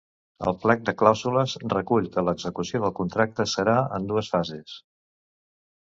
El plec de clàusules recull que l’execució del contracte serà en dues fases.